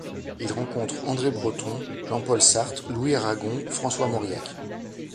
Il rencontre André Breton, Jean-Paul Sartre, Louis Aragon, François Mauriac.